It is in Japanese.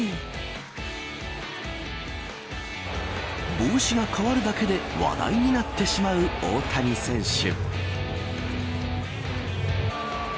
帽子が変わるだけで話題になってしまう大谷選手。